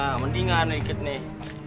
nah mendingan sedikit nih